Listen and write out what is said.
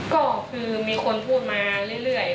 ก็คือมีคนพูดมาเรื่อย